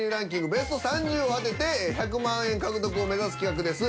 ベスト３０を当てて１００万円獲得を目指す企画です。